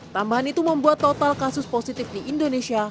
tambahan itu membuat total kasus positif di indonesia